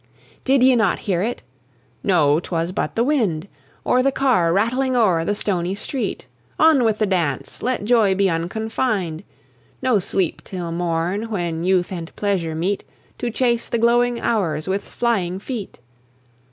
Did ye not hear it? No; 'twas but the wind, Or the car rattling o'er the stony street. On with the dance! let joy be unconfined! No sleep till morn, when Youth and Pleasure meet To chase the glowing hours with flying feet!